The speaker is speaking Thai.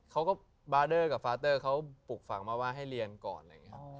เขาก็บาสต์ด้อกับพ่อเขาปลูกฝั่งมาว่าให้เรียนก่อน